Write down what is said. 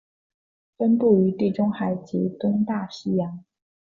分布于地中海及东大西洋。